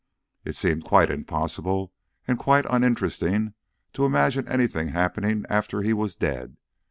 It seemed quite impossible and quite uninteresting to imagine anything happening after he was dead.